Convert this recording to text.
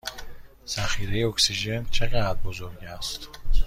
ذخیره اکسیژن چه قدر بزرگ است؟